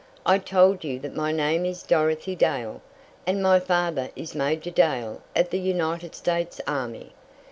"I told you that my name is Dorothy Dale, and my father is Major Dale of the United States army.